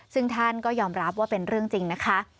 ซึ่งท่านก็ยอมรับว่าเป็นเรื่องจริงนะคะ